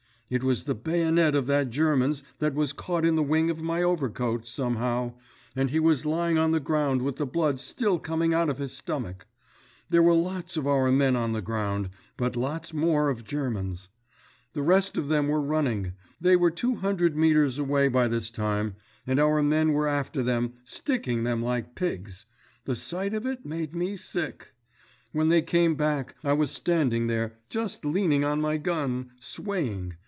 It was the bayonet of that German's that was caught in the wing of my overcoat, somehow—and he was lying on the ground with the blood still coming out of his stomach. There were lots of our men on the ground, but lots more of Germans. The rest of them were running; they were two hundred meters away by this time, and our men were after them, sticking them like pigs.... The sight of it made me sick.... When they came back, I was standing there, just leaning on my gun, swaying